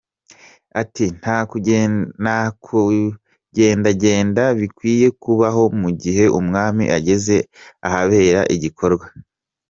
Ati “Nta kugendagenda bikwiye kubaho mu gihe Umwami ageze ahabera igikorwa.